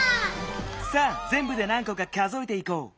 さあぜんぶで何こか数えていこう。